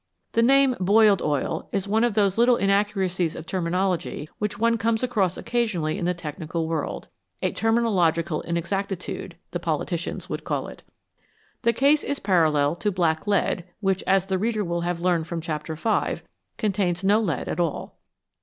The name " boiled " oil is one of those little inaccuracies of terminology which one comes across occasionally in the technical world a "terminological inexactitude," the politicians would call it. The case is parallel to " black lead," which, as the reader will have learned from chapter v., contains no lead at all.